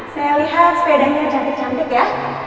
saya lihat sepedanya cantik cantik ya